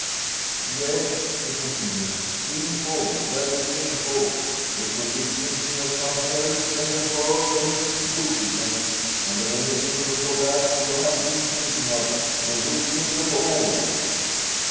"Yes?" she continues, "sinful very sinful! You should be thinking of something else than the world and its wickedness. And of anything before that you have been thinking of the wickedness of all."